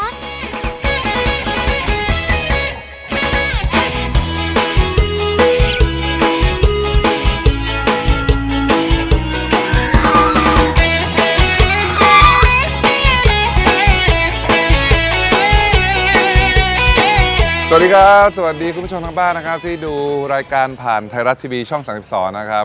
สวัสดีครับสวัสดีคุณผู้ชมทางบ้านนะครับที่ดูรายการผ่านไทยรัฐทีวีช่อง๓๒นะครับ